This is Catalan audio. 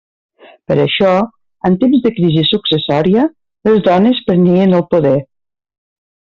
Per això, en temps de crisi successòria, les dones prenien el poder.